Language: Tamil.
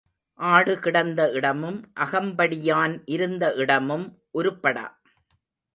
ஆடு கிடந்த இடமும் அகம்படியான் இருந்த இடமும் உருப்படா.